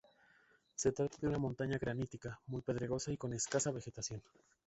Se trata de una montaña granítica, muy pedregosa y con escasa vegetación.